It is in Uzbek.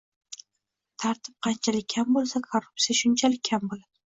Tartib qanchalik kam bo'lsa, korrupsiya shunchalik kam bo'ladi